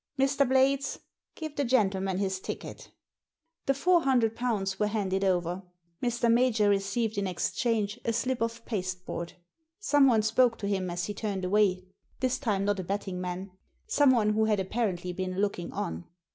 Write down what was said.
Mr. Blades, give the gentleman his ticket" The four hundred pounds were handed over. Mr. Major received in exchange a slip of pasteboard. Someone spoke to him as he turned away, this time not a betting man; someone who had apparently been looking on.